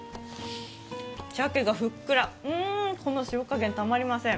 しゃけがふっくら、この塩加減たまりません。